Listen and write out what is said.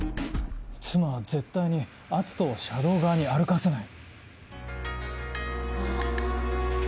妻は絶対に篤斗を車道側に歩かせない。